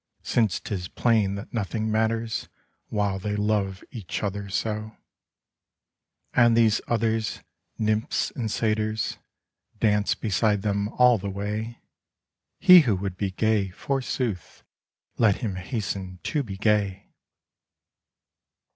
Since 'tis plain that nothing matters While they love each other so ; And these others, nymphs and satyrs, Dance beside them all the way : He who would be gay, forsooth, Let him hasten to be gay.